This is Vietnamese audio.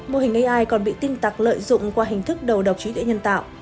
mô hình ai còn bị tinh tạc lợi dụng qua hình thức đầu đầu trí để nhân tạo